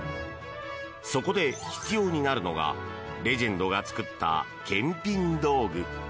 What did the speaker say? そこで必要になるのがレジェンドが作った検品道具。